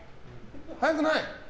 早くない？